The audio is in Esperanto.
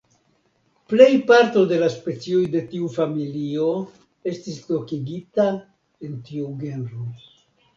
Plej parto de la specioj de tiu familio estis lokigita en tiu genro.